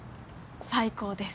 最高です。